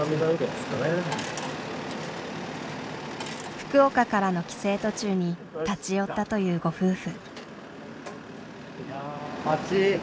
福岡からの帰省途中に立ち寄ったというご夫婦。